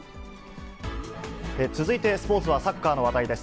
続いてスポーツはサッカーの話題です。